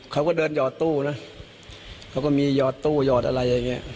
เขาก็เดินหอดตู้นะเขาก็มีหอดตู้หยอดอะไรอย่างนี้